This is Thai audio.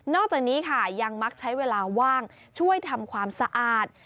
จากนี้ค่ะยังมักใช้เวลาว่างช่วยทำความสะอาด